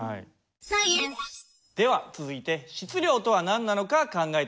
では続いて「質量」とは何なのか考えてみたいと思います。